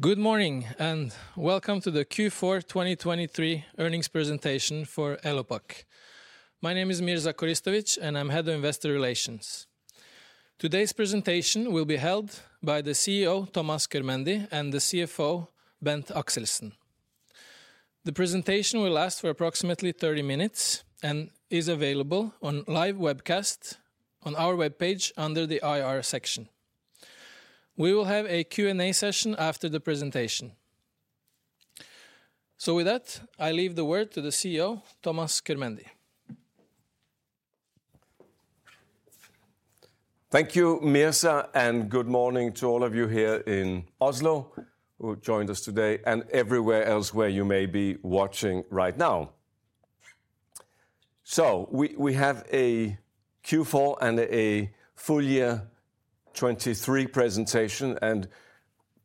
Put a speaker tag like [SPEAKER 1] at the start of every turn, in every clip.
[SPEAKER 1] Good morning and welcome to the Q4 2023 Earnings Presentation for Elopak. My name is Mirza Koristovic and I'm Head of Investor Relations. Today's presentation will be held by the CEO Thomas Körmendi and the CFO Bent Axelsen. The presentation will last for approximately 30 minutes and is available on live webcast on our web page under the IR section. We will have a Q&A session after the presentation. So with that, I leave the word to the CEO Thomas Körmendi.
[SPEAKER 2] Thank you, Mirza, and good morning to all of you here in Oslo, who joined us today, and everywhere elsewhere you may be watching right now. So we have a Q4 and a full year 2023 presentation, and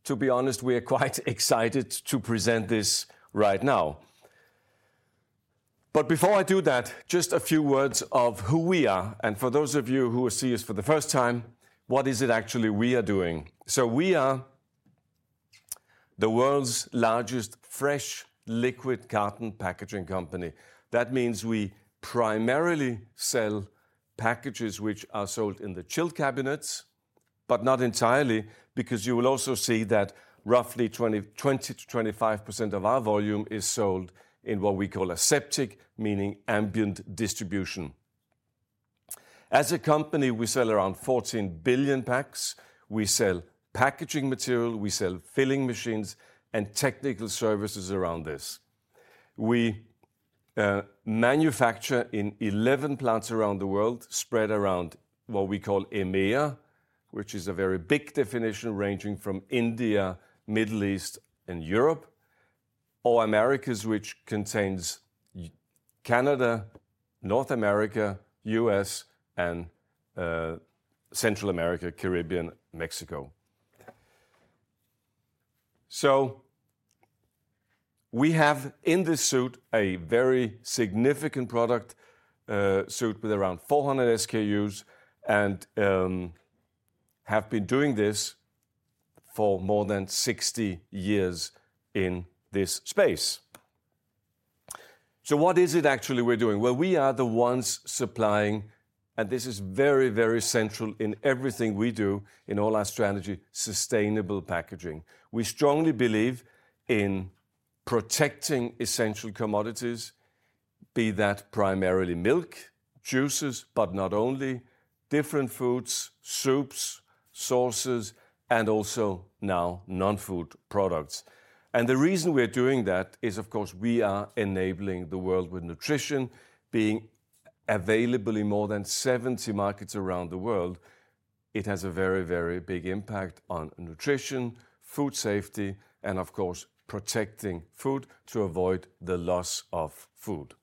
[SPEAKER 2] to be honest, we are quite excited to present this right now. But before I do that, just a few words of who we are. And for those of you who see us for the first time, what is it actually we are doing? So we are the world's largest fresh liquid carton packaging company. That means we primarily sell packages which are sold in the chilled cabinets, but not entirely, because you will also see that roughly 20%-25% of our volume is sold in what we call aseptic, meaning ambient distribution. As a company, we sell around 14 billion packs. We sell packaging material, we sell filling machines, and technical services around this. We manufacture in 11 plants around the world, spread around what we call EMEA, which is a very big definition ranging from India, Middle East, and Europe, or Americas, which contains Canada, North America, U.S., and Central America, Caribbean, Mexico. So we have in this suite a very significant product suite with around 400 SKUs and have been doing this for more than 60 years in this space. So what is it actually we're doing? Well, we are the ones supplying, and this is very, very central in everything we do in all our strategy, sustainable packaging. We strongly believe in protecting essential commodities, be it primarily milk, juices, but not only, different foods, soups, sauces, and also now non-food products. The reason we are doing that is, of course, we are enabling the world with nutrition, being available in more than 70 markets around the world. It has a very, very big impact on nutrition, food safety, and of course, protecting food to avoid the loss of food.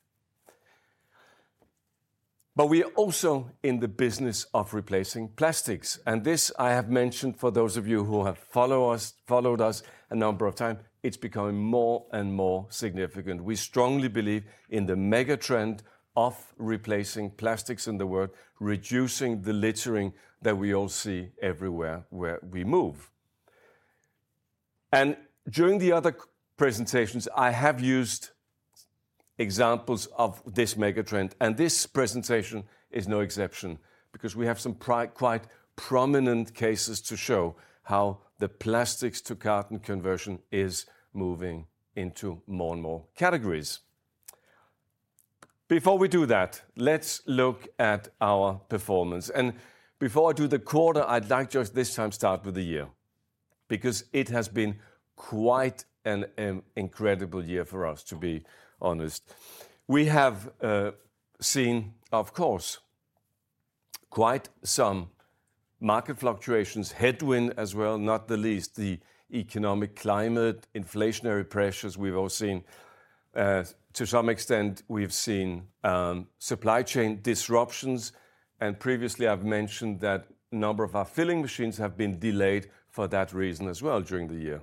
[SPEAKER 2] But we are also in the business of replacing plastics. This I have mentioned for those of you who have followed us a number of times, it's becoming more and more significant. We strongly believe in the megatrend of replacing plastics in the world, reducing the littering that we all see everywhere where we move. During the other presentations, I have used examples of this megatrend, and this presentation is no exception because we have some quite prominent cases to show how the plastics-to-carton conversion is moving into more and more categories. Before we do that, let's look at our performance. Before I do the quarter, I'd like just this time to start with the year because it has been quite an incredible year for us, to be honest. We have seen, of course, quite some market fluctuations, headwind as well, not the least, the economic climate, inflationary pressures we've all seen. To some extent, we've seen supply chain disruptions. Previously, I've mentioned that a number of our filling machines have been delayed for that reason as well during the year.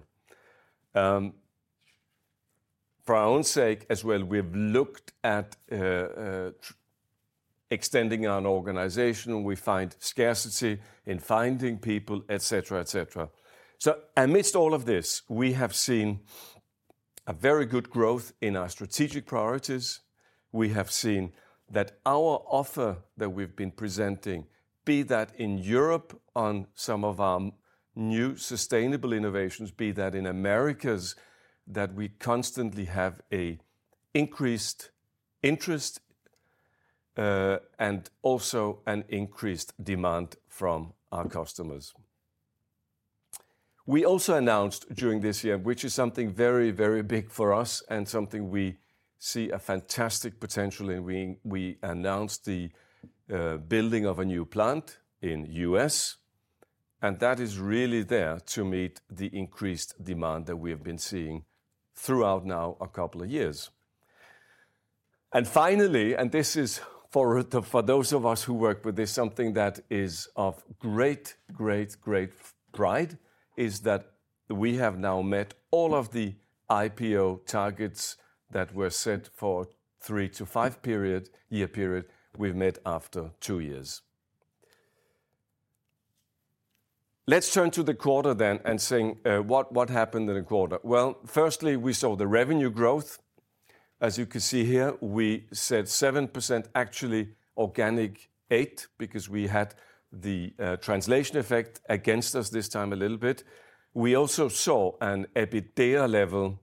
[SPEAKER 2] For our own sake as well, we've looked at extending our organization. We find scarcity in finding people, etc., etc. Amidst all of this, we have seen a very good growth in our strategic priorities. We have seen that our offer that we've been presenting, be that in Europe on some of our new sustainable innovations, be that in Americas, that we constantly have an increased interest and also an increased demand from our customers. We also announced during this year, which is something very, very big for us and something we see a fantastic potential in, we announced the building of a new plant in the U.S. And finally, and this is for those of us who work with this, something that is of great, great, great pride, is that we have now met all of the IPO targets that were set for a three-five year period, we've met after two years. Let's turn to the quarter then and saying what happened in the quarter. Well, firstly, we saw the revenue growth. As you can see here, we saw 7%, actually organic 8%, because we had the translation effect against us this time a little bit. We also saw an EBITDA level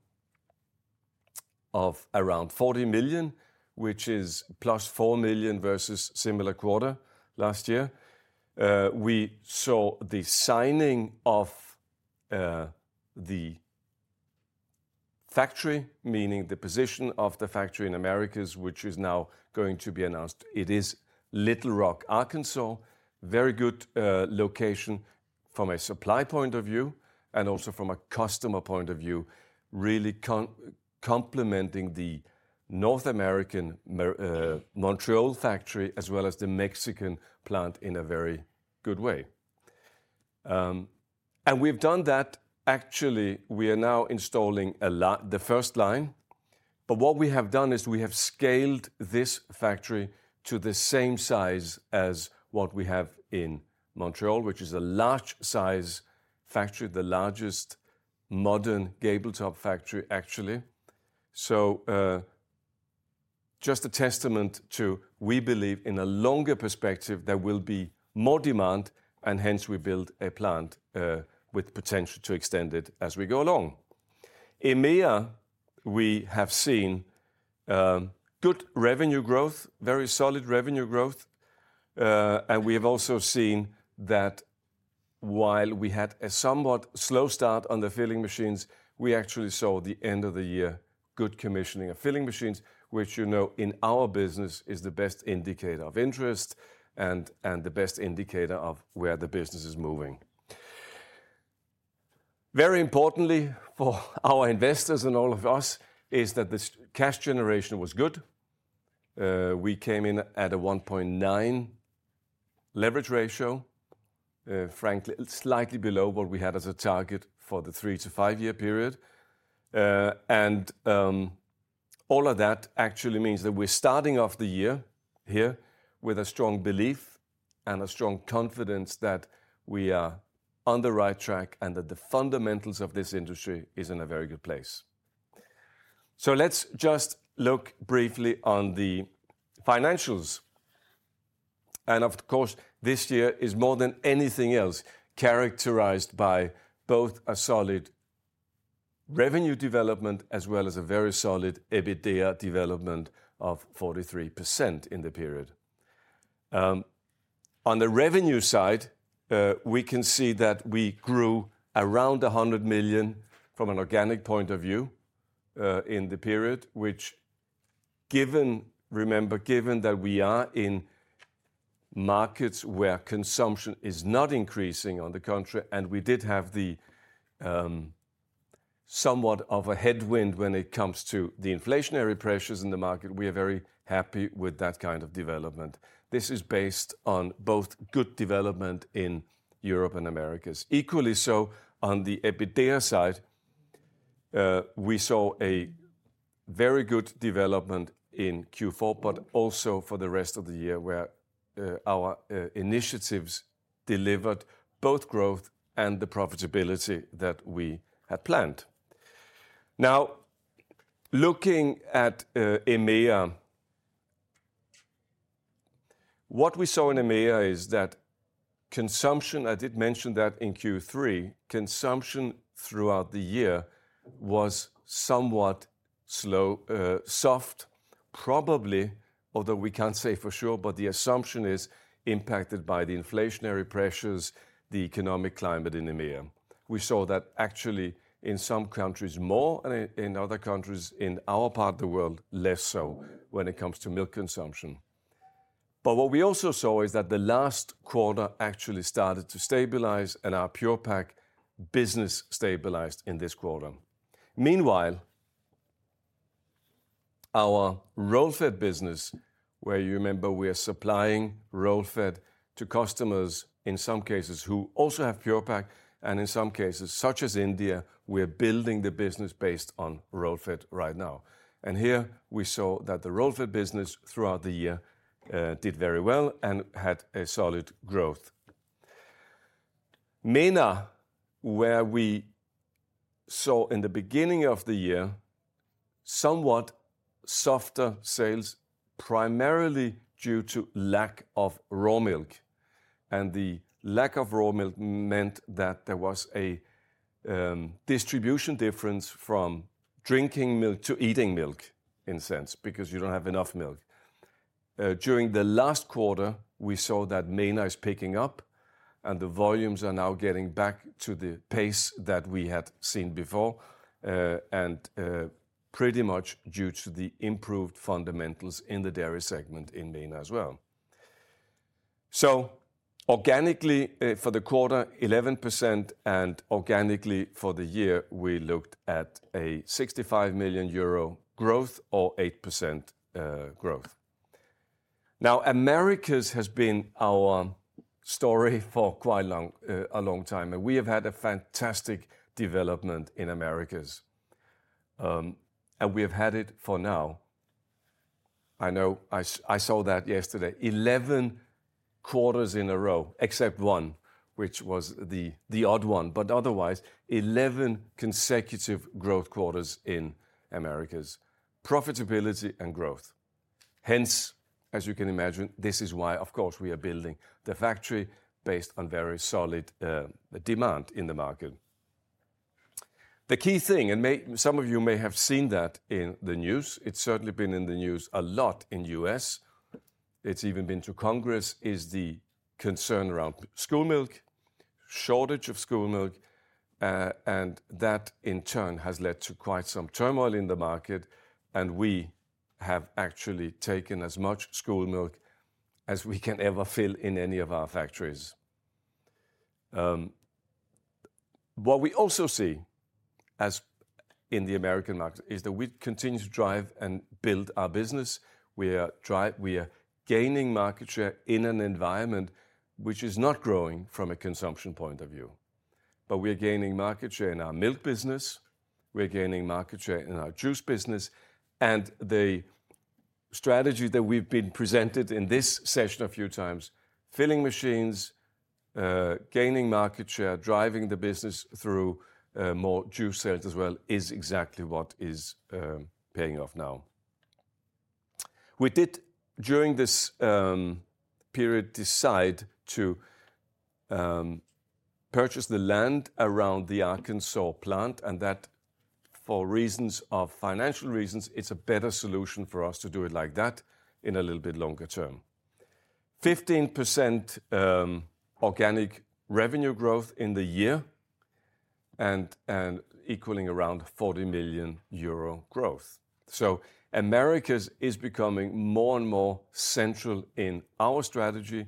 [SPEAKER 2] of around 40 million, which is +4 million versus similar quarter last year. We saw the siting of the factory, meaning the position of the factory in Americas, which is now going to be announced. It is Little Rock, Arkansas. Very good location from a supply point of view and also from a customer point of view, really complementing the North American Montreal factory as well as the Mexican plant in a very good way. And we've done that. Actually, we are now installing a lot, the first line. But what we have done is we have scaled this factory to the same size as what we have in Montreal, which is a large size factory, the largest modern Gable top factory, actually. So just a testament to we believe in a longer perspective there will be more demand and hence we build a plant with potential to extend it as we go along. EMEA, we have seen good revenue growth, very solid revenue growth. And we have also seen that while we had a somewhat slow start on the filling machines, we actually saw the end of the year good commissioning of filling machines, which you know in our business is the best indicator of interest and the best indicator of where the business is moving. Very importantly for our investors and all of us is that the cash generation was good. We came in at a 1.9 leverage ratio, frankly slightly below what we had as a target for the three- to five-year period. All of that actually means that we're starting off the year here with a strong belief and a strong confidence that we are on the right track and that the fundamentals of this industry are in a very good place. So let's just look briefly on the financials. Of course, this year is more than anything else characterized by both a solid revenue development as well as a very solid EBITDA development of 43% in the period. On the revenue side, we can see that we grew around 100 million from an organic point of view in the period, which, given, remember, given that we are in markets where consumption is not increasing on the country and we did have somewhat of a headwind when it comes to the inflationary pressures in the market, we are very happy with that kind of development. This is based on both good development in Europe and Americas. Equally so on the EBITDA side, we saw a very good development in Q4, but also for the rest of the year where our initiatives delivered both growth and the profitability that we had planned. Now, looking at EMEA, what we saw in EMEA is that consumption, I did mention that in Q3, consumption throughout the year was somewhat slow, soft, probably, although we can't say for sure, but the assumption is impacted by the inflationary pressures, the economic climate in EMEA. We saw that actually in some countries more and in other countries in our part of the world less so when it comes to milk consumption. But what we also saw is that the last quarter actually started to stabilize and our Pure-Pak business stabilized in this quarter. Meanwhile, our roll-fed business, where you remember we are supplying roll-fed to customers in some cases who also have Pure-Pak and in some cases such as India, we are building the business based on roll-fed right now. Here we saw that the roll-fed business throughout the year did very well and had a solid growth. MENA, where we saw in the beginning of the year somewhat softer sales, primarily due to lack of raw milk. The lack of raw milk meant that there was a distribution difference from drinking milk to eating milk in a sense, because you don't have enough milk. During the last quarter, we saw that MENA is picking up and the volumes are now getting back to the pace that we had seen before. Pretty much due to the improved fundamentals in the dairy segment in MENA as well. Organically for the quarter, 11%, and organically for the year, we looked at a 65 million euro growth or 8% growth. Now, Americas has been our story for quite a long time, and we have had a fantastic development in Americas. And we have had it for now. I know I saw that yesterday, 11 quarters in a row except one, which was the odd one, but otherwise 11 consecutive growth quarters in Americas, profitability and growth. Hence, as you can imagine, this is why, of course, we are building the factory based on very solid demand in the market. The key thing, and some of you may have seen that in the news, it's certainly been in the news a lot in the U.S., it's even been to Congress, is the concern around school milk, shortage of school milk. And that in turn has led to quite some turmoil in the market. We have actually taken as much school milk as we can ever fill in any of our factories. What we also see in the American market is that we continue to drive and build our business. We are gaining market share in an environment which is not growing from a consumption point of view. But we are gaining market share in our milk business. We are gaining market share in our juice business. And the strategy that we've been presented in this session a few times, filling machines, gaining market share, driving the business through more juice sales as well, is exactly what is paying off now. We did during this period decide to purchase the land around the Arkansas plant and that for reasons of financial reasons, it's a better solution for us to do it like that in a little bit longer term. 15% organic revenue growth in the year and equaling around 40 million euro growth. Americas is becoming more and more central in our strategy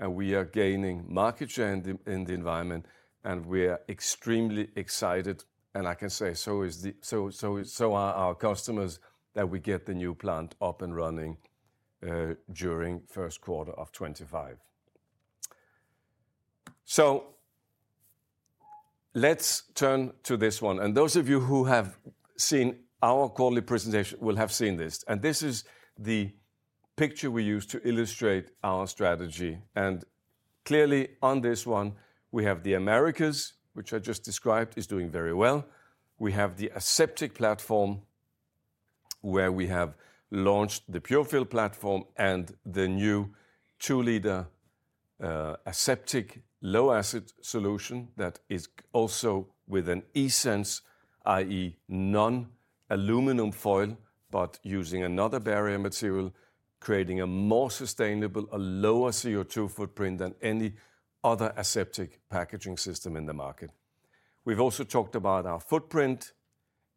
[SPEAKER 2] and we are gaining market share in the environment and we are extremely excited and I can say so is the so are our customers that we get the new plant up and running during first quarter of 2025. Let's turn to this one. Those of you who have seen our quarterly presentation will have seen this. This is the picture we use to illustrate our strategy. Clearly on this one, we have the Americas, which I just described, is doing very well. We have the Aseptic platform where we have launched the PureFill platform and the new two-liter Aseptic low-acid solution that is also with an eSense, i.e., non-aluminum foil, but using another barrier material, creating a more sustainable, a lower CO2 footprint than any other Aseptic packaging system in the market. We've also talked about our footprint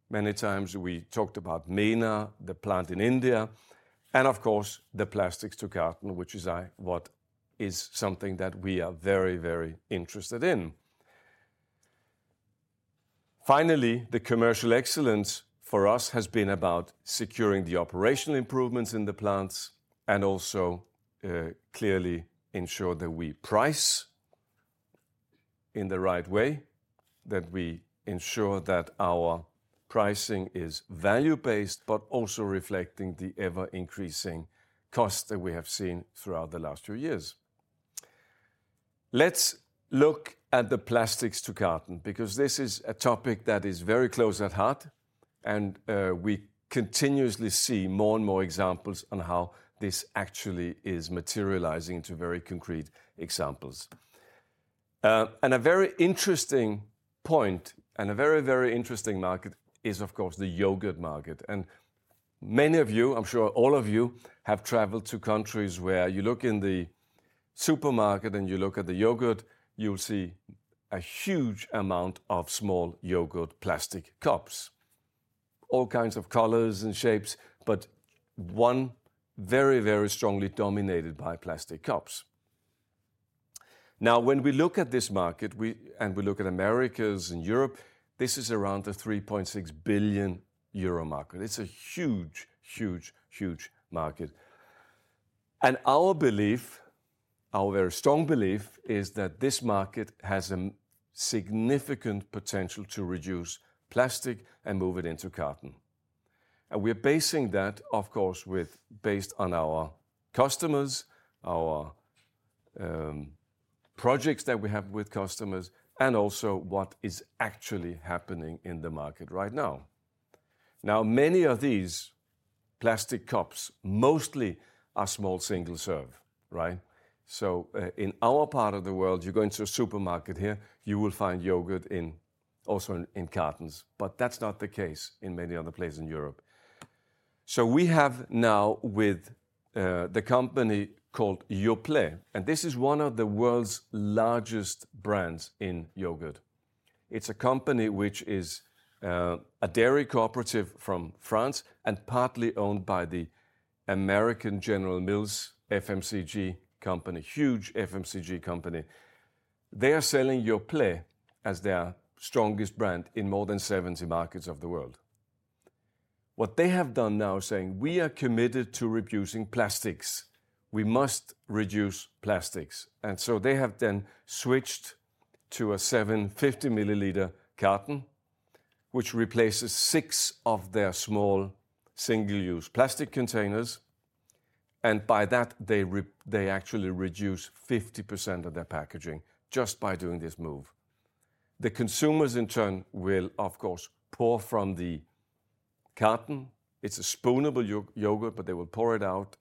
[SPEAKER 2] many times. We talked about MENA, the plant in India, and of course the Plastics to Carton, which is what is something that we are very, very interested in. Finally, the commercial excellence for us has been about securing the operational improvements in the plants and also clearly ensure that we price in the right way, that we ensure that our pricing is value-based, but also reflecting the ever-increasing cost that we have seen throughout the last few years. Let's look at the Plastics to Carton because this is a topic that is very close at heart and we continuously see more and more examples on how this actually is materializing into very concrete examples. A very interesting point and a very, very interesting market is of course the yogurt market. Many of you, I'm sure all of you have travelled to countries where you look in the supermarket and you look at the yogurt, you'll see a huge amount of small yogurt plastic cups, all kinds of colors and shapes, but one very, very strongly dominated by plastic cups. Now, when we look at this market and we look at Americas and Europe, this is around the 3.6 billion euro market. It's a huge, huge, huge market. Our belief, our very strong belief, is that this market has a significant potential to reduce plastic and move it into carton. We are basing that, of course, based on our customers, our projects that we have with customers, and also what is actually happening in the market right now. Now, many of these plastic cups mostly are small single serve, right? So in our part of the world, you go into a supermarket here, you will find yogurt also in cartons, but that's not the case in many other places in Europe. So we have now with the company called Yoplait, and this is one of the world's largest brands in yogurt. It's a company which is a dairy cooperative from France and partly owned by the American General Mills FMCG company, huge FMCG company. They are selling Yoplait as their strongest brand in more than 70 markets of the world. What they have done now is saying we are committed to reducing plastics. We must reduce plastics. And so they have then switched to a 750 milliliter carton, which replaces six of their small single-use plastic containers. And by that, they actually reduce 50% of their packaging just by doing this move. The consumers in turn will, of course, pour from the carton. It's a spoonable yogurt, but they will pour it out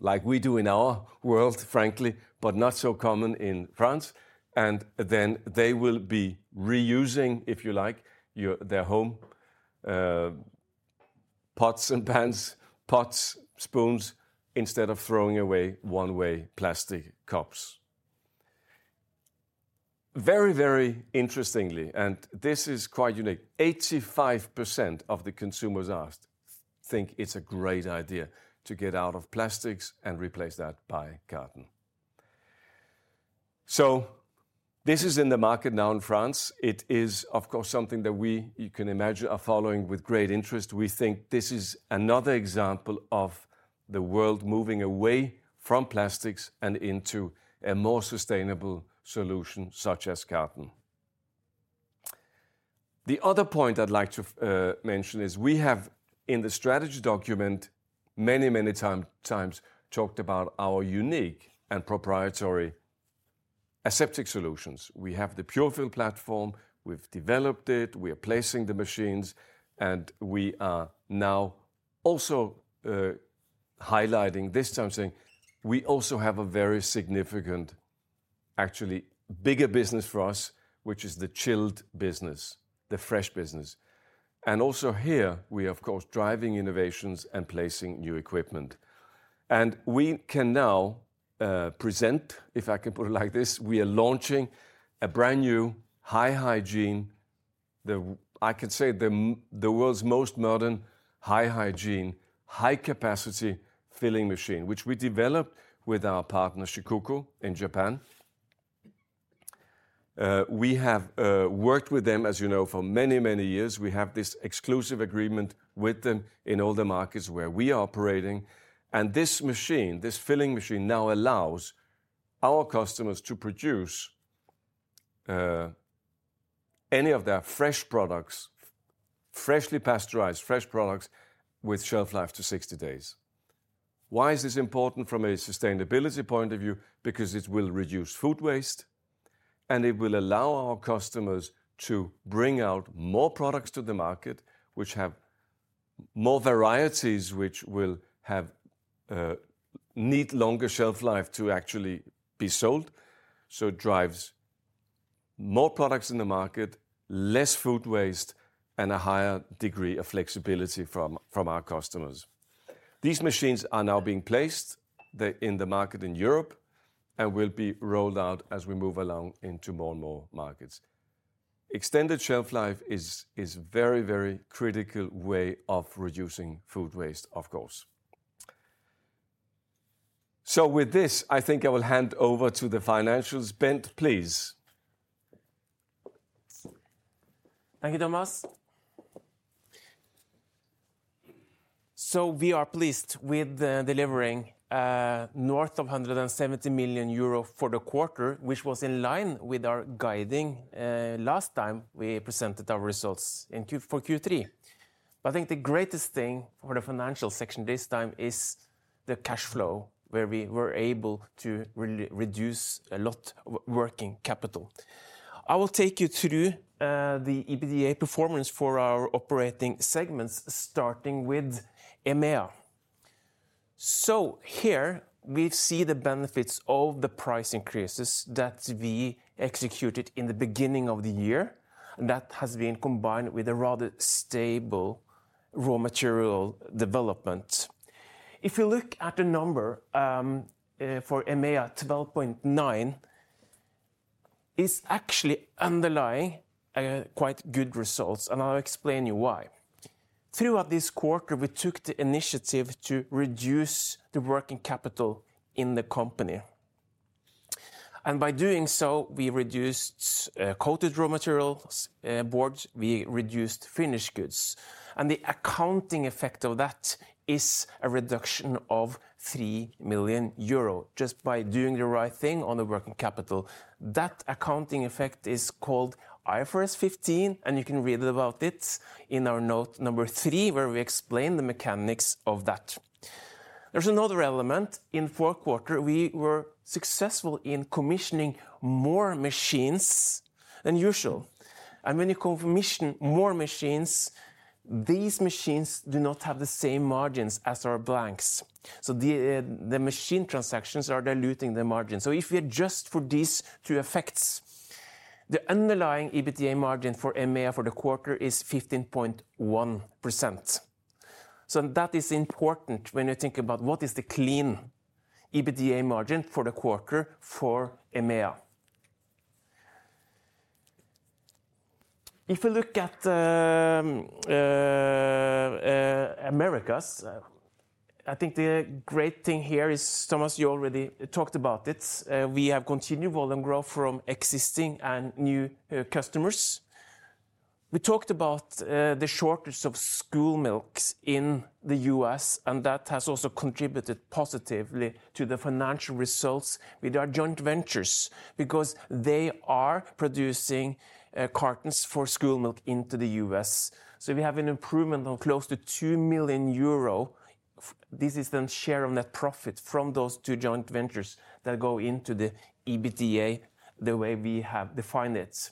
[SPEAKER 2] like we do in our world, frankly, but not so common in France. And then they will be reusing, if you like, their home pots and pans, pots, spoons, instead of throwing away one-way plastic cups. Very, very interestingly, and this is quite unique, 85% of the consumers asked think it's a great idea to get out of plastics and replace that by carton. So this is in the market now in France. It is, of course, something that we, you can imagine, are following with great interest. We think this is another example of the world moving away from plastics and into a more sustainable solution such as carton. The other point I'd like to mention is we have in the strategy document many, many times talked about our unique and proprietary aseptic solutions. We have the PureFill platform. We've developed it. We are placing the machines. And we are now also highlighting this time, saying we also have a very significant, actually bigger business for us, which is the chilled business, the fresh business. And also here we are, of course, driving innovations and placing new equipment. And we can now present, if I can put it like this, we are launching a brand new high hygiene, the—I can say—the world's most modern high hygiene, high capacity filling machine, which we developed with our partner Shikoku in Japan. We have worked with them, as you know, for many, many years. We have this exclusive agreement with them in all the markets where we are operating. And this machine, this filling machine now allows our customers to produce any of their fresh products, freshly pasteurized fresh products with shelf life to 60 days. Why is this important from a sustainability point of view? Because it will reduce food waste and it will allow our customers to bring out more products to the market, which have more varieties, which will need longer shelf life to actually be sold. So it drives more products in the market, less food waste, and a higher degree of flexibility from our customers. These machines are now being placed in the market in Europe and will be rolled out as we move along into more and more markets. Extended shelf life is a very, very critical way of reducing food waste, of course. So with this, I think I will hand over to the financials. Bent, please.
[SPEAKER 3] Thank you, Thomas. So we are pleased with delivering north of 170 million euro for the quarter, which was in line with our guiding last time we presented our results in Q4 for Q3. I think the greatest thing for the financial section this time is the cash flow where we were able to reduce a lot of working capital. I will take you through the EBITDA performance for our operating segments, starting with EMEA. So here we see the benefits of the price increases that we executed in the beginning of the year. That has been combined with a rather stable raw material development. If we look at the number, for EMEA, 12.9 is actually underlying quite good results. I'll explain you why. Throughout this quarter, we took the initiative to reduce the working capital in the company. And by doing so, we reduced coated raw material boards, we reduced finished goods. The accounting effect of that is a reduction of 3 million euro just by doing the right thing on the working capital. That accounting effect is called IFRS 15, and you can read about it in our note number three where we explain the mechanics of that. There's another element. In fourth quarter, we were successful in commissioning more machines than usual. And when you commission more machines, these machines do not have the same margins as our blanks. So the machine transactions are diluting the margins. So if we adjust for these two effects, the underlying EBITDA margin for EMEA for the quarter is 15.1%. So that is important when you think about what is the clean EBITDA margin for the quarter for EMEA. If we look at Americas, I think the great thing here is, Thomas, you already talked about it, we have continued volume growth from existing and new customers. We talked about the shortage of school milks in the U.S., and that has also contributed positively to the financial results with our joint ventures because they are producing cartons for school milk into the U.S. So we have an improvement of close to 2 million euro. This is the share of net profit from those two joint ventures that go into the EBITDA the way we have defined it.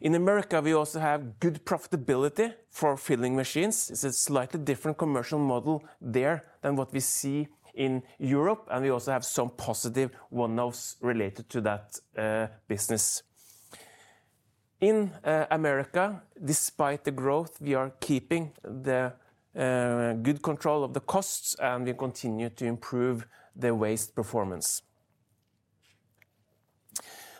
[SPEAKER 3] In America, we also have good profitability for filling machines. It's a slightly different commercial model there than what we see in Europe. And we also have some positive one-offs related to that business. In America, despite the growth, we are keeping the good control of the costs and we continue to improve the waste performance.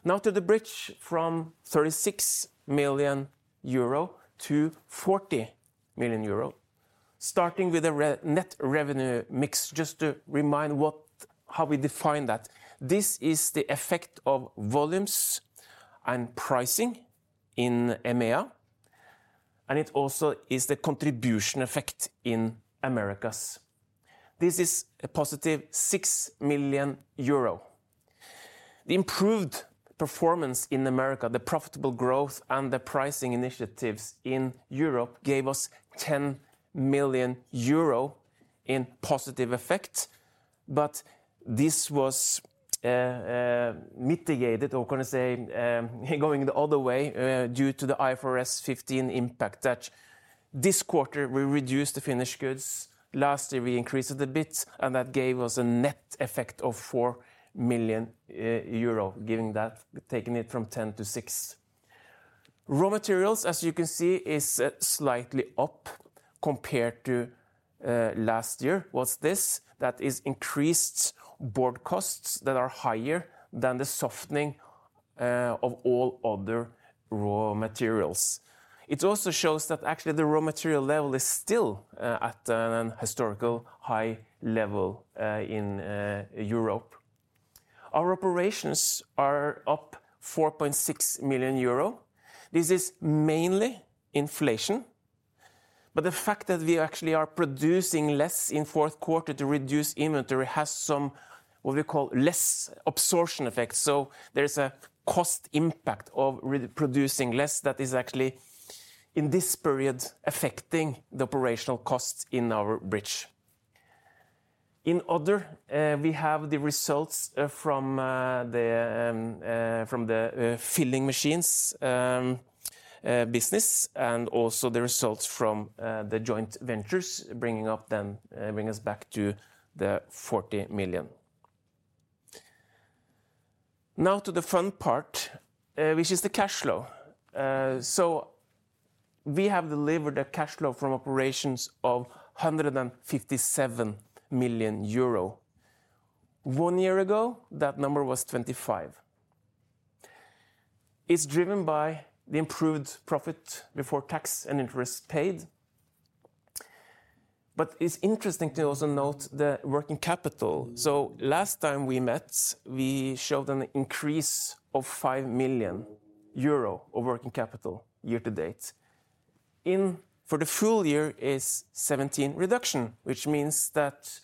[SPEAKER 3] Now to the bridge from 36 million euro to 40 million euro, starting with a net revenue mix. Just to remind what how we define that. This is the effect of volumes and pricing in EMEA. It also is the contribution effect in Americas. This is a positive 6 million euro. The improved performance in America, the profitable growth, and the pricing initiatives in Europe gave us 10 million euro in positive effect. But this was mitigated, or can I say, going the other way, due to the IFRS 15 impact that this quarter we reduced the finished goods. Last year we increased it a bit, and that gave us a net effect of 4 million euro, giving that, taking it from 10 to six. Raw materials, as you can see, is slightly up compared to last year. What's this? That is increased board costs that are higher than the softening of all other raw materials. It also shows that actually the raw material level is still at a historical high level in Europe. Our operations are up 4.6 million euro. This is mainly inflation. But the fact that we actually are producing less in fourth quarter to reduce inventory has some, what we call, less absorption effect. So there is a cost impact of producing less that is actually, in this period, affecting the operational costs in our bridge. In other, we have the results from the filling machines business and also the results from the joint ventures bringing up then, bring us back to the 40 million. Now to the fun part, which is the cash flow. So we have delivered a cash flow from operations of 157 million euro. One year ago, that number was 25 million. It's driven by the improved profit before tax and interest paid. But it's interesting to also note the working capital. So last time we met, we showed an increase of 5 million euro of working capital year to date. In for the full year is 17 million reduction, which means that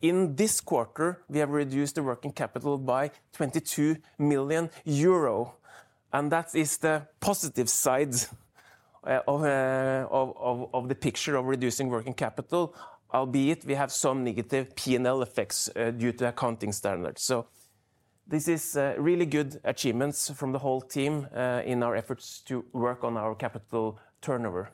[SPEAKER 3] in this quarter we have reduced the working capital by 22 million euro. And that is the positive side of the picture of reducing working capital, albeit we have some negative P&L effects due to accounting standards. So this is really good achievements from the whole team in our efforts to work on our capital turnover.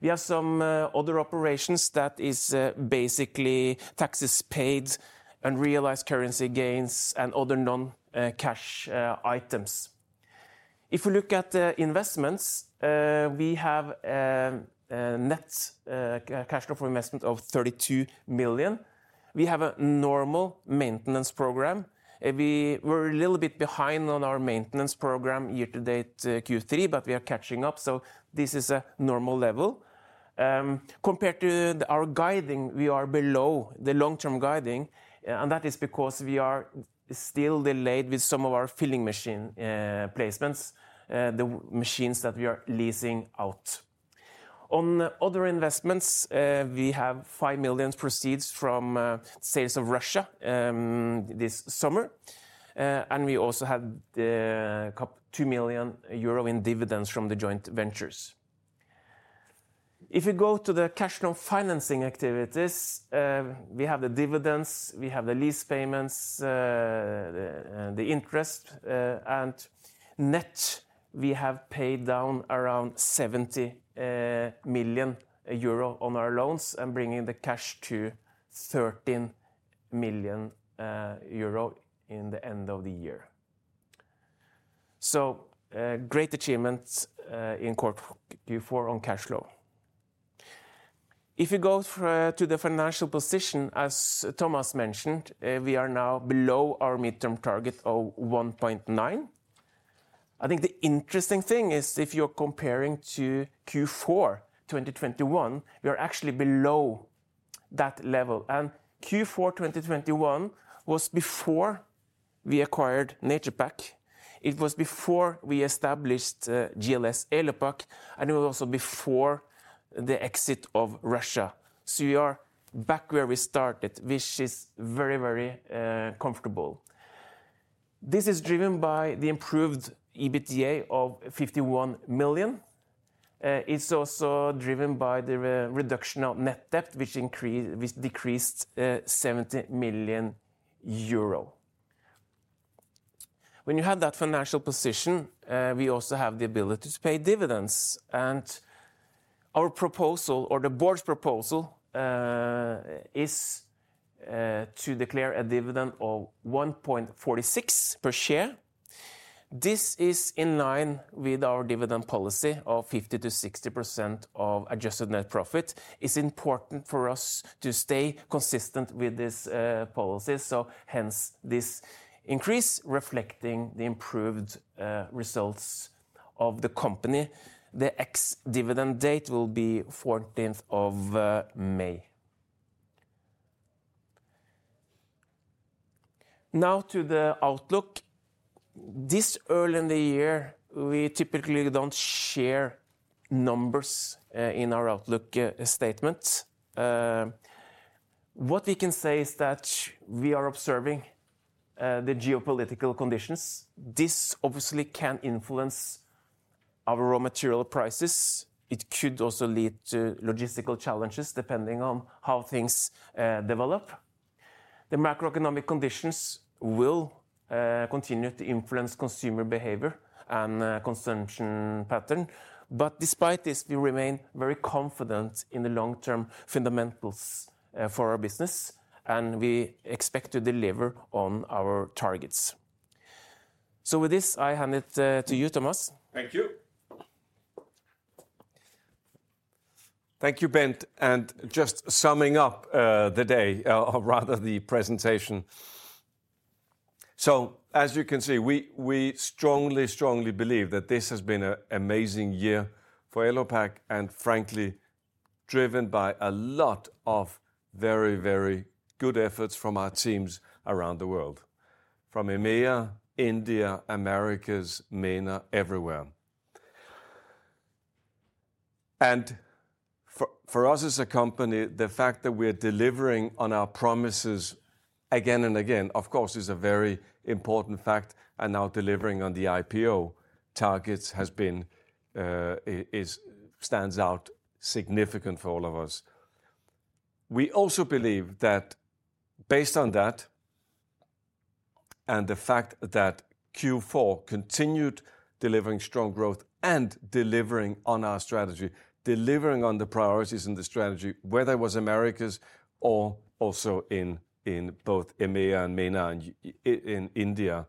[SPEAKER 3] We have some other operations that are basically taxes paid and realized currency gains and other non-cash items. If we look at the investments, we have a net cash flow for investment of 32 million. We have a normal maintenance program. We were a little bit behind on our maintenance program year to date Q3, but we are catching up. So this is a normal level. Compared to our guiding, we are below the long-term guiding. And that is because we are still delayed with some of our filling machine placements, the machines that we are leasing out. On other investments, we have 5 million proceeds from sales of Russia this summer, and we also had the 2 million euro in dividends from the joint ventures. If we go to the cash flow financing activities, we have the dividends, we have the lease payments, the interest, and net, we have paid down around 70 million euro on our loans and bringing the cash to 13 million euro in the end of the year. So, great achievement in quarter Q4 on cash flow. If we go to the financial position, as Thomas mentioned, we are now below our mid-term target of 1.9 million. I think the interesting thing is if you're comparing to Q4 2021, we are actually below that level. Q4 2021 was before we acquired Naturepak. It was before we established GLS Elopak, and it was also before the exit of Russia. We are back where we started, which is very, very comfortable. This is driven by the improved EBITDA of 51 million. It's also driven by the reduction of net debt, which decreased 70 million euro. When you have that financial position, we also have the ability to pay dividends. Our proposal, or the board's proposal, is to declare a dividend of 1.46 per share. This is in line with our dividend policy of 50%-60% of adjusted net profit. It's important for us to stay consistent with this policy. So, hence, this increase reflecting the improved results of the company. The ex-dividend date will be 14th of May. Now to the Outlook. This early in the year, we typically don't share numbers in our Outlook statements. What we can say is that we are observing the geopolitical conditions. This, obviously, can influence our raw material prices. It could also lead to logistical challenges depending on how things develop. The macroeconomic conditions will continue to influence consumer behavior and consumption patterns. But despite this, we remain very confident in the long-term fundamentals for our business, and we expect to deliver on our targets. So, with this, I hand it to you, Thomas. Thank you.
[SPEAKER 2] Thank you, Bent. Just summing up the day, or rather the presentation. So, as you can see, we strongly, strongly believe that this has been an amazing year for Elopak and, frankly, driven by a lot of very, very good efforts from our teams around the world. From EMEA, India, Americas, MENA, everywhere. And for us as a company, the fact that we are delivering on our promises again and again, of course, is a very important fact. And now delivering on the IPO targets has been, stands out significant for all of us. We also believe that based on that and the fact that Q4 continued delivering strong growth and delivering on our strategy, delivering on the priorities in the strategy, whether it was Americas or also in both EMEA and MENA and in India,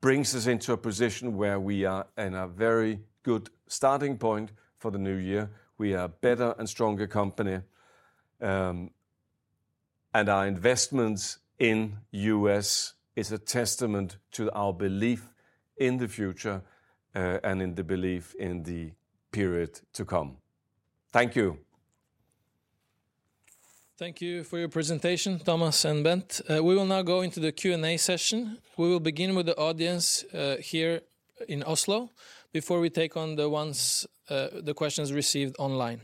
[SPEAKER 2] brings us into a position where we are in a very good starting point for the new year. We are a better and stronger company. Our investments in the U.S. are a testament to our belief in the future and in the belief in the period to come. Thank you.
[SPEAKER 1] Thank you for your presentation, Thomas and Bent. We will now go into the Q&A session. We will begin with the audience here in Oslo before we take on the questions received online.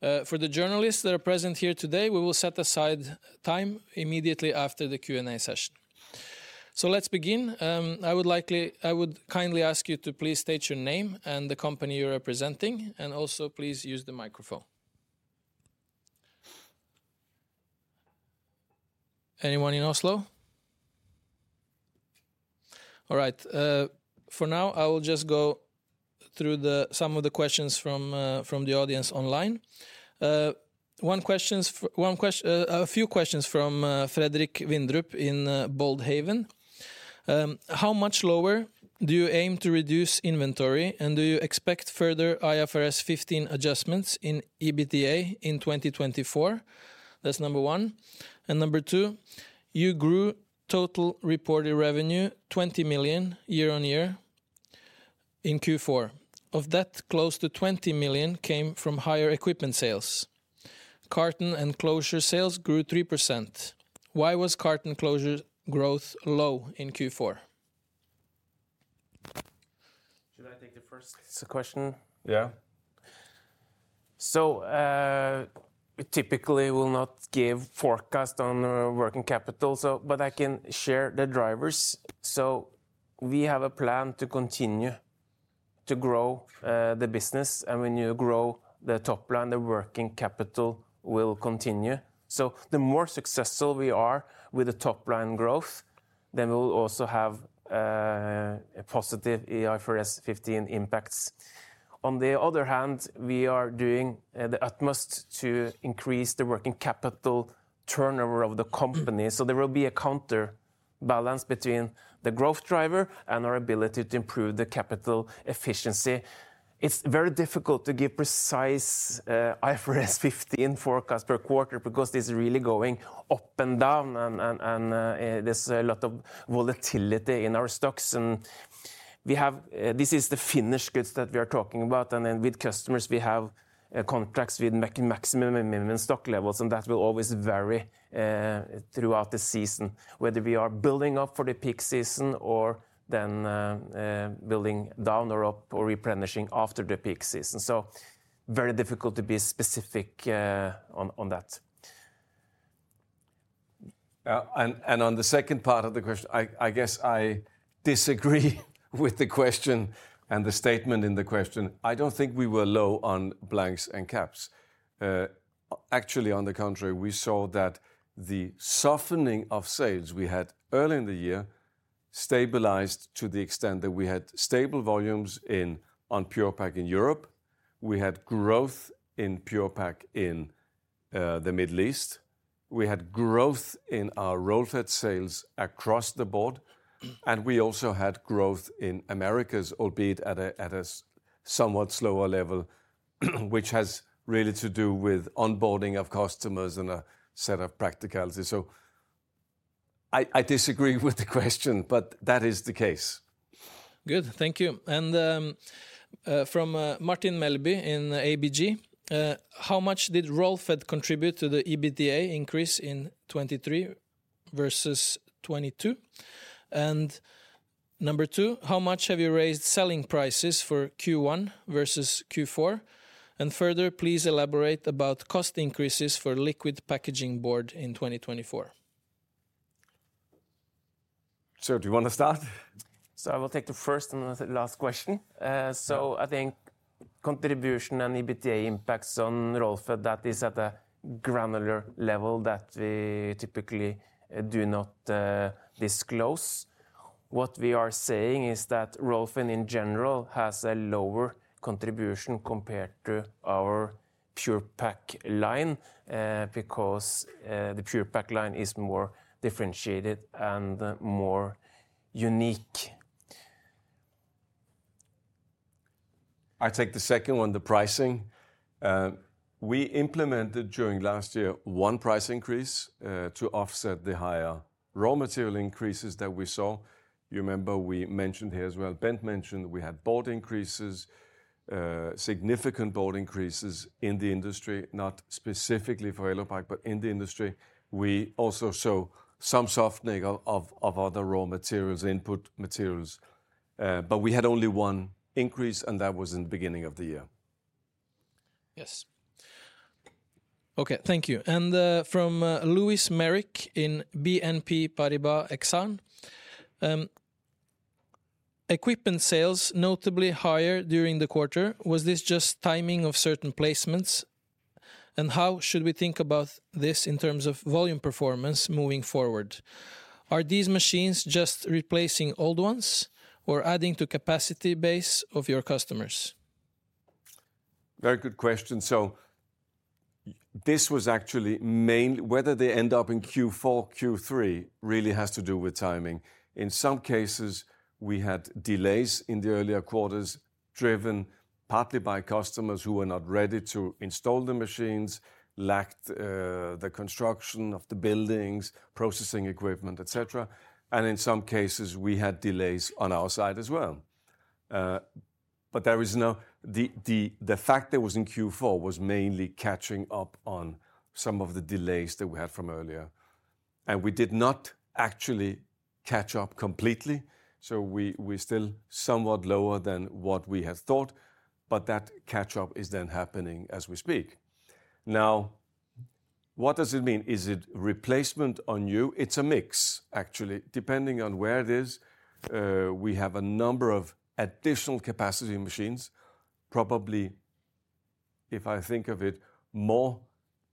[SPEAKER 1] For the journalists that are present here today, we will set aside time immediately after the Q&A session. So, let's begin. I would kindly ask you to please state your name and the company you're representing. And also, please use the microphone. Anyone in Oslo? All right. For now, I will just go through some of the questions from the audience online. One question, a few questions from Fredrik Windrup in Boldhaven. How much lower do you aim to reduce inventory, and do you expect further IFRS 15 adjustments in EBITDA in 2024? That's number one. And number two, you grew total reported revenue 20 million year-over-year in Q4. Of that, close to 20 million came from higher equipment sales. Carton and closure sales grew 3%. Why was carton closure growth low in Q4?
[SPEAKER 3] Should I take the first question?
[SPEAKER 2] Yeah.
[SPEAKER 3] So, we typically will not give forecasts on working capital, but I can share the drivers. So, we have a plan to continue to grow the business, and when you grow the top line, the working capital will continue. So, the more successful we are with the top line growth, then we will also have positive IFRS 15 impacts. On the other hand, we are doing the utmost to increase the working capital turnover of the company. So, there will be a counterbalance between the growth driver and our ability to improve the capital efficiency. It's very difficult to give precise IFRS 15 forecasts per quarter because it's really going up and down, and there's a lot of volatility in our stocks. And we have. This is the finished goods that we are talking about. And with customers, we have contracts with maximum and minimum stock levels, and that will always vary throughout the season, whether we are building up for the peak season or then, building down or up or replenishing after the peak season. So, very difficult to be specific on that.
[SPEAKER 2] Yeah. And on the second part of the question, I guess I disagree with the question and the statement in the question. I don't think we were low on blanks and caps. Actually, on the contrary, we saw that the softening of sales we had early in the year stabilized to the extent that we had stable volumes on Pure-Pak in Europe. We had growth in Pure-Pak in the Middle East. We had growth in our roll-fed sales across the board. And we also had growth in Americas, albeit at a somewhat slower level, which has really to do with onboarding of customers and a set of practicalities. So, I disagree with the question, but that is the case. Good. Thank you. And from Martin Melby in ABG, how much did roll-fed contribute to the EBITDA increase in 2023 versus 2022? And number two, how much have you raised selling prices for Q1 versus Q4? And further, please elaborate about cost increases for liquid packaging board in 2024. Sir, do you want to start?
[SPEAKER 3] So, I will take the first and the last question. So, I think contribution and EBITDA impacts on roll-fed, that is at a granular level that we typically do not disclose. What we are saying is that roll-fed in general has a lower contribution compared to our Pure-Pak line because the Pure-Pak line is more differentiated and more unique.
[SPEAKER 2] I take the second one, the pricing. We implemented during last year one price increase to offset the higher raw material increases that we saw. You remember we mentioned here as well, Bent mentioned we had board increases, significant board increases in the industry, not specifically for Elopak, but in the industry. We also saw some softening of other raw materials, input materials. But we had only one increase, and that was in the beginning of the year.
[SPEAKER 1] Yes. Okay. Thank you. And from Lewis Merrick in BNP Paribas Exane. Equipment sales notably higher during the quarter. Was this just timing of certain placements? And how should we think about this in terms of volume performance moving forward? Are these machines just replacing old ones or adding to capacity base of your customers?
[SPEAKER 2] Very good question. So, this was actually mainly, whether they end up in Q4, Q3 really has to do with timing. In some cases, we had delays in the earlier quarters driven partly by customers who were not ready to install the machines, lacked the construction of the buildings, processing equipment, etc. And in some cases, we had delays on our side as well. But there is no, the fact that it was in Q4 was mainly catching up on some of the delays that we had from earlier. And we did not actually catch up completely. So, we're still somewhat lower than what we had thought. But that catch-up is then happening as we speak. Now, what does it mean? Is it replacement on new? It's a mix, actually. Depending on where it is, we have a number of additional capacity machines, probably, if I think of it, more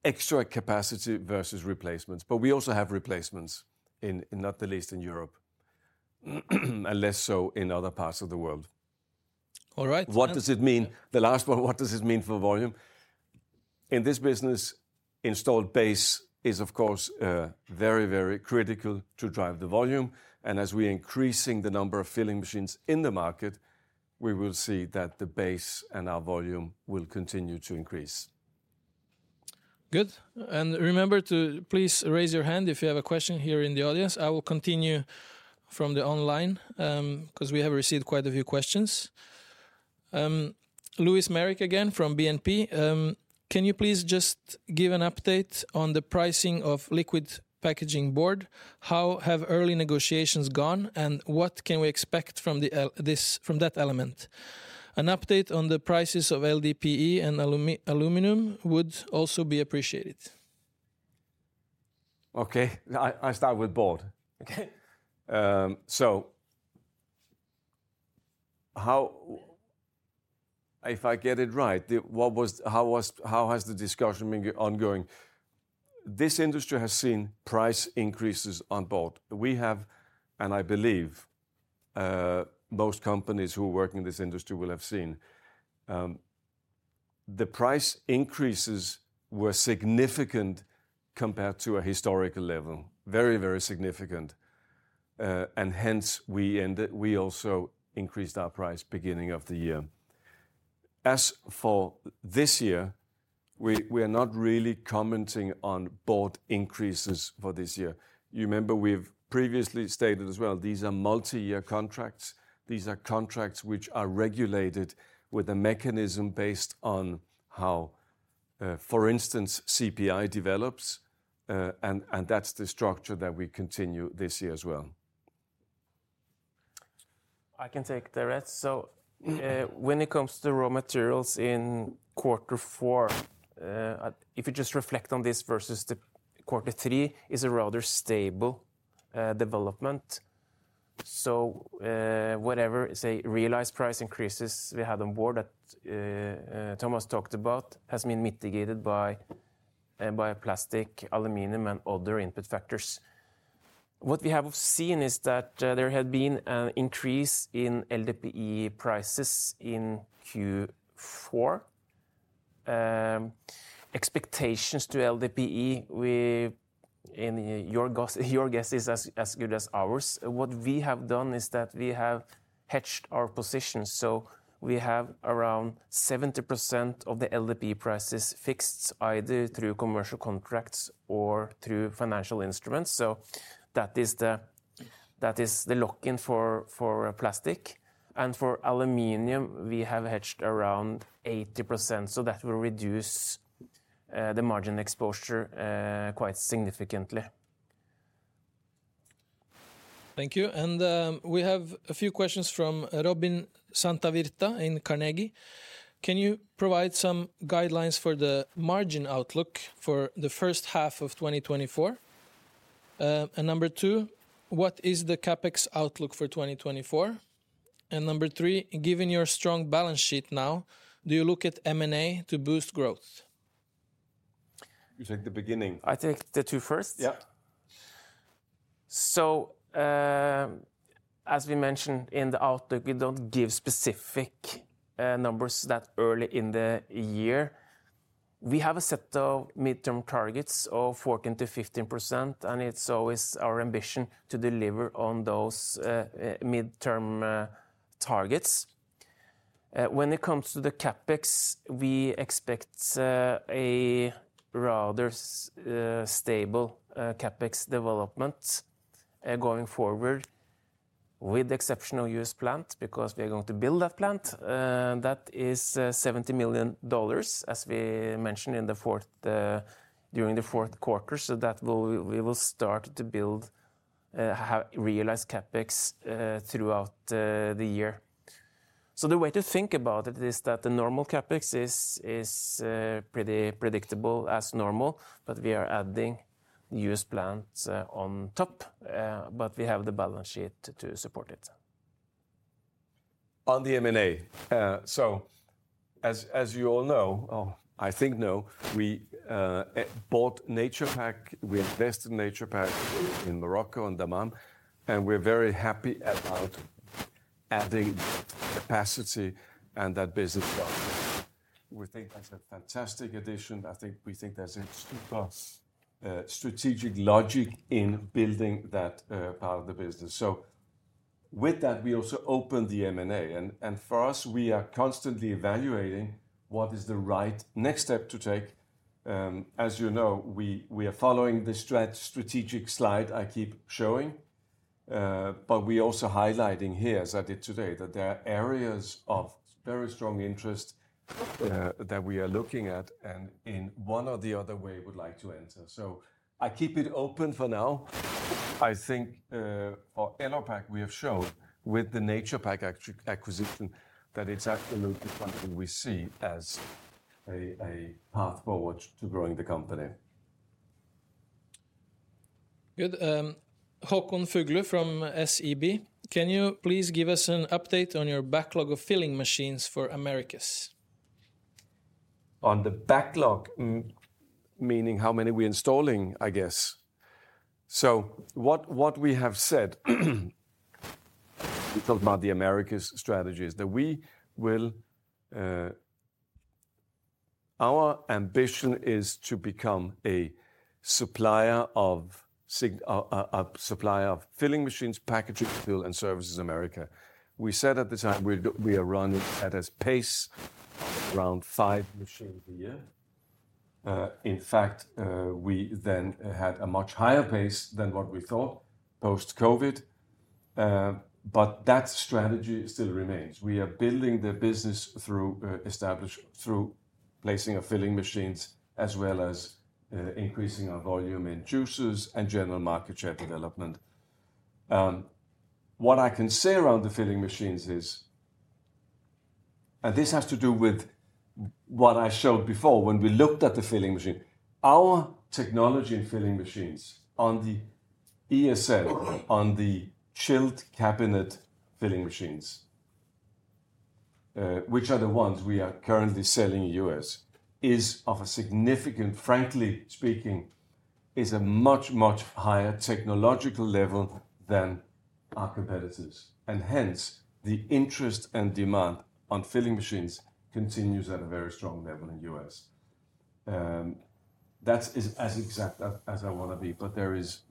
[SPEAKER 2] extra capacity versus replacements. But we also have replacements, not the least in Europe, and less so in other parts of the world.
[SPEAKER 1] All right.
[SPEAKER 2] What does it mean? The last one, what does it mean for volume? In this business, installed base is, of course, very, very critical to drive the volume. And as we are increasing the number of filling machines in the market, we will see that the base and our volume will continue to increase.
[SPEAKER 1] Good. And remember to please raise your hand if you have a question here in the audience. I will continue from the online because we have received quite a few questions. Lewis Merrick again from BNP. Can you please just give an update on the pricing of liquid packaging board? How have early negotiations gone, and what can we expect from that element? An update on the prices of LDPE and aluminum would also be appreciated.
[SPEAKER 2] Okay. I start with board. So, how has the discussion been ongoing? This industry has seen price increases on board. We have, and I believe most companies who are working in this industry will have seen, the price increases were significant compared to a historical level, very, very significant. And hence, we also increased our price beginning of the year. As for this year, we are not really commenting on board increases for this year. You remember we've previously stated as well, these are multi-year contracts. These are contracts which are regulated with a mechanism based on how, for instance, CPI develops. And that's the structure that we continue this year as well.
[SPEAKER 3] I can take the rest. So, when it comes to raw materials in quarter four, if you just reflect on this versus quarter three, it's a rather stable development. So, whatever, say, realized price increases we had on board that Thomas talked about has been mitigated by plastic, aluminum, and other input factors. What we have seen is that there had been an increase in LDPE prices in Q4. Expectations to LDPE, in your guess, are as good as ours. What we have done is that we have hedged our positions. So, we have around 70% of the LDPE prices fixed either through commercial contracts or through financial instruments. So, that is the lock-in for plastic. And for aluminum, we have hedged around 80%. So, that will reduce the margin exposure quite significantly.
[SPEAKER 1] Thank you. And we have a few questions from Robin Santavirta in Carnegie. Can you provide some guidelines for the margin outlook for the first half of 2024? And number two, what is the CapEx outlook for 2024? And number three, given your strong balance sheet now, do you look at M&A to boost growth?
[SPEAKER 2] You take the beginning.
[SPEAKER 3] I take the two first? Yeah. So, as we mentioned in the outlook, we don't give specific numbers that early in the year. We have a set of mid-term targets of 14%-15%, and it's always our ambition to deliver on those mid-term targets. When it comes to the CapEx, we expect a rather stable CapEx development going forward, with the exception of U.S. plant because we are going to build that plant. That is $70 million, as we mentioned, during the fourth quarter. So, that will, we will start to build, have realized CapEx throughout the year. So, the way to think about it is that the normal CapEx is pretty predictable as normal, but we are adding U.S. plant on top. But we have the balance sheet to support it.
[SPEAKER 2] On the M&A. So, as you all know, or I think know, we bought Naturepak, we invested in Naturepak in Morocco and Dammam, and we're very happy about adding that capacity and that business down there. We think that's a fantastic addition. I think we think there's a super strategic logic in building that part of the business. So, with that, we also opened the M&A. For us, we are constantly evaluating what is the right next step to take. As you know, we are following the strategic slide I keep showing. But we are also highlighting here, as I did today, that there are areas of very strong interest that we are looking at and in one or the other way would like to enter. So, I keep it open for now. I think for Elopak, we have shown with the Naturepak acquisition that it's absolutely something we see as a path forward to growing the company.
[SPEAKER 1] Good. Håkon Fugly from SEB. Can you please give us an update on your backlog of filling machines for Americas?
[SPEAKER 2] On the backlog, meaning how many we're installing, I guess. What we have said, we talked about the Americas strategy is that we will, our ambition is to become a supplier of filling machines, PureFill, and services in the Americas. We said at the time we are running at a pace of around 5 machines a year. In fact, we then had a much higher pace than what we thought post-COVID. But that strategy still remains. We are building the business through placing our filling machines as well as increasing our volume in juices and general market share development. What I can say around the filling machines is, and this has to do with what I showed before when we looked at the filling machine, our technology in filling machines on the ESL, on the chilled cabinet filling machines, which are the ones we are currently selling in the U.S., is of a significant, frankly speaking, is a much, much higher technological level than our competitors. And hence, the interest and demand on filling machines continues at a very strong level in the U.S. That's as exact as I want to be. But there is,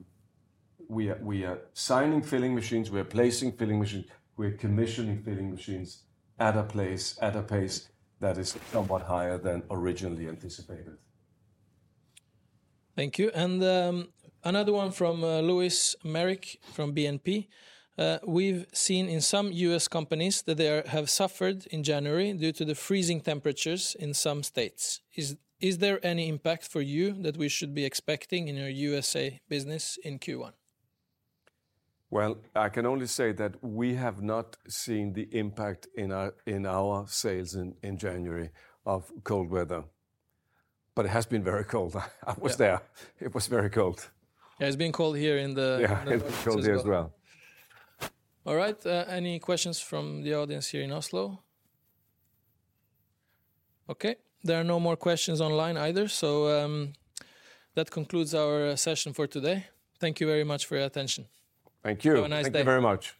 [SPEAKER 2] we are signing filling machines, we are placing filling machines, we are commissioning filling machines at a place, at a pace that is somewhat higher than originally anticipated.
[SPEAKER 1] Thank you. And another one from Lewis Merrick from BNP. We've seen in some U.S. companies that they have suffered in January due to the freezing temperatures in some states. Is there any impact for you that we should be expecting in your USA business in Q1?
[SPEAKER 2] Well, I can only say that we have not seen the impact in our sales in January of cold weather. But it has been very cold. I was there. It was very cold.
[SPEAKER 1] Yeah, it's been cold here in the...
[SPEAKER 2] Yeah, it was cold here as well.
[SPEAKER 1] All right. Any questions from the audience here in Oslo? Okay. There are no more questions online either. So, that concludes our session for today. Thank you very much for your attention.
[SPEAKER 2] Thank you.
[SPEAKER 1] Have a nice day.
[SPEAKER 2] Thank you very much.